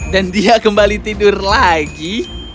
dan dia kembali tidur lagi